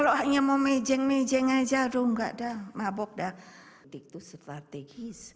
kalau hanya mau mejeng mejeng aja aduh enggak dah mabok dah